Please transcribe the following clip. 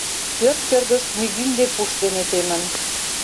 Пӧрт кӧргышт мӱгинде пуш дене темын.